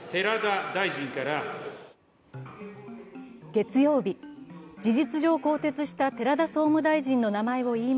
月曜日、事実上更迭した寺田総務大臣の名前を言い